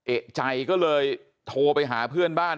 เอกใจก็เลยโทรไปหาเพื่อนบ้าน